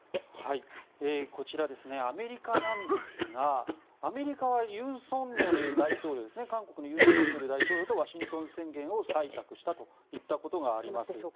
こちらアメリカなんですがアメリカは韓国の尹錫悦大統領とワシントン宣言を採択したといったことがあります。